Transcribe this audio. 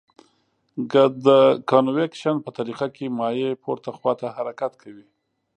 د کانویکشن په طریقه کې مایع پورته خواته حرکت کوي.